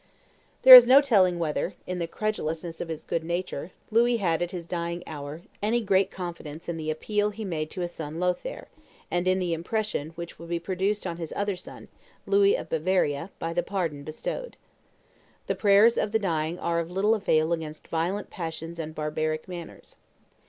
There is no telling whether, in the credulousness of his good nature, Louis had, at his dying hour, any great confidence in the appeal he made to his son Lothaire, and in the impression which would be produced on his other son, Louis of Bavaria, by the pardon bestowed. The prayers of the dying are of little avail against violent passions and barbaric manners.